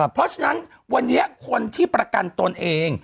เพราะฉะนั้นวันนี้คนที่ประกันตนเอง